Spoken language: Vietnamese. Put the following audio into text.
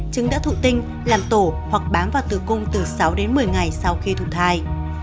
trứng đã thụ tinh làm tổ hoặc bám vào tử cung từ sáu đến một mươi ngày sau khi thụ thai